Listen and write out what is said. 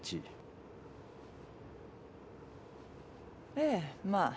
ええまあ。